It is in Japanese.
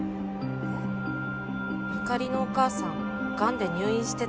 えっ？ゆかりのお母さんがんで入院してたんです。